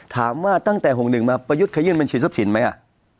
ถามว่าตั้งแต่๖๑มาประยุทธิ์ขายื่นมันเฉียบศพสินไหมอ่ะ